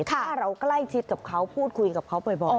ถ้าเราใกล้ชิดกับเขาพูดคุยกับเขาบ่อย